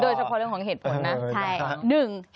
เฉพาะเรื่องของเหตุผลนะ